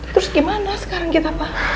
terus gimana sekarang kita pak